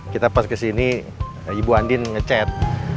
kita pas kesini ibu andin ngecet